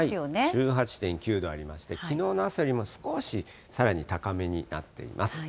１８．９度ありまして、きのうの朝よりも少しさらに高めになっています。